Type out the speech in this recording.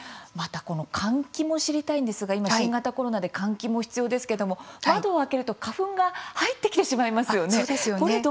換気も知りたいんですが今、新型コロナで換気も必要ですけれども窓を開けると、花粉が入ってきてしまいますよね。